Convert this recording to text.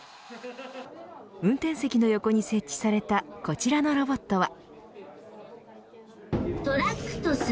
運転席の横に設置されたこちらのロボットは。